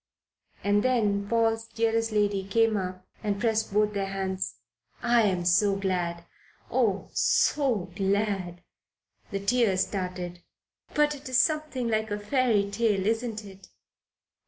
And then, Paul's dearest lady came up and pressed both their hands. "I am so glad. Oh, so glad." The tears started. "But it is something like a fairy tale, isn't it?"